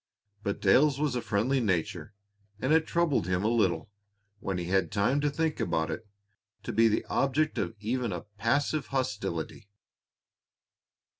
But Dale's was a friendly nature, and it troubled him a little, when he had time to think about it, to be the object of even a passive hostility.